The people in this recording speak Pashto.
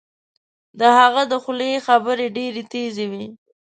د هغه د خولې خبرې ډیرې تېزې وې